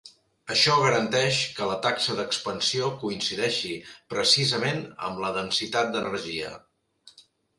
Això garanteix que la taxa d'expansió coincideixi precisament amb la densitat d'energia.